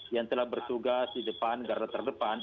yang telah bertugas di depan garda terdepan